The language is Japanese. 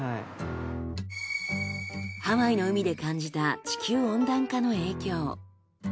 ハワイの海で感じた地球温暖化の影響。